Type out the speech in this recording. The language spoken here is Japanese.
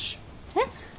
えっ？